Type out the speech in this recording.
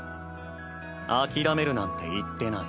諦めるなんて言ってない。